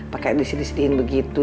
pake disini siniin begitu